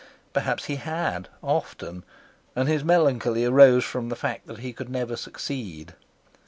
Perhaps he had, often, and his melancholy arose from the fact that he could never succeed.